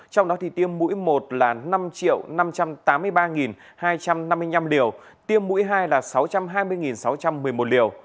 trong đó thì tiêm mũi một là năm năm trăm tám mươi ba hai trăm năm mươi năm liều tiêm mũi hai là sáu trăm hai mươi sáu trăm một mươi một liều